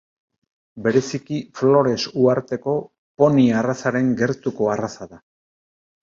Bereziki Flores uharteko poni arrazaren gertuko arraza da.